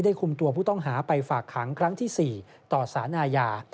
คุมตัวผู้ต้องหาไปฝากขังครั้งที่๔ต่อสารอาญา